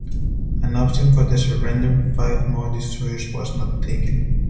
An option for the surrender of five more destroyers was not taken.